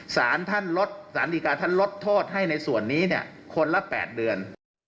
สารธรรมดิกาท่านลดโทษให้ในส่วนนี้คนละ๘เดือน